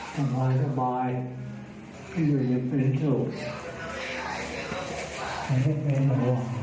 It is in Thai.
สบายสบายที่อยู่ในปริศนิษฐุ